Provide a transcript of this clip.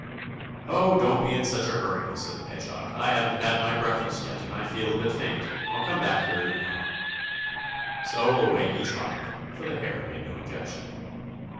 "Oh, don't be in such a hurry," said the Hedgehog. "I haven't had my breakfast yet, and I feel a bit faint. I'll come back here in an hour." So away he trotted, for the Hare made no objection.